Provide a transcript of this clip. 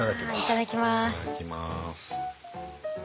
いただきます。